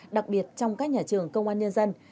đặc biệt trong các nhà trường công an nhân dân